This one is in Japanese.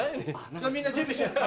みんな準備して。